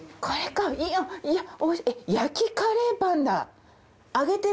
これかいやいや焼きカレーパンだ。